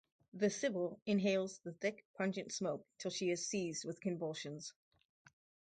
The sibyl inhales the thick pungent smoke till she is seized with convulsions.